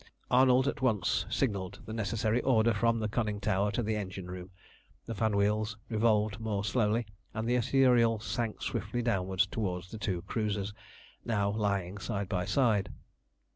Arnold at once signalled the necessary order from the conning tower to the engine room. The fan wheels revolved more slowly, and the Ithuriel sank swiftly downwards towards the two cruisers, now lying side by side.